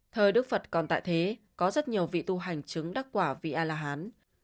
thời đức phật còn tại thế có rất nhiều vị tu hành chứng đắc quả vì a la hán